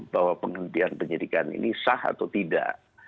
bahwa penghentian penyidikan ini sah atau tidak